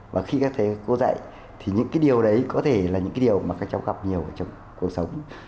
và khi các thầy cô dạy thì những cái điều đấy có thể là những cái điều mà các cháu gặp nhiều ở trong cuộc sống